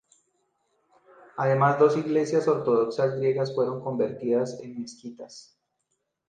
Además, dos iglesias ortodoxas griegas fueron convertidas en mezquitas.